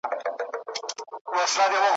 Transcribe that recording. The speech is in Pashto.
د ميرويس نيکه پيوند دی `